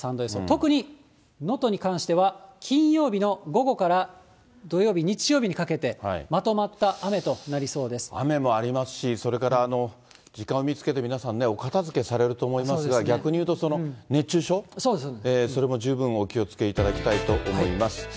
特に能登に関しては、金曜日の午後から土曜日、日曜日にかけて、雨もありますし、それから時間を見つけて、皆さんね、お片づけされると思いますが、逆に言うと、熱中症、それも十分お気をつけいただきたいと思います。